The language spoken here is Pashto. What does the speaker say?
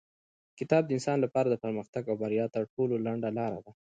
کتاب د انسان لپاره د پرمختګ او بریا تر ټولو لنډه لاره ده.